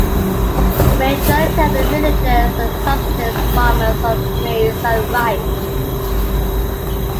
The majority of the villagers are subsistence farmers of maize and rice.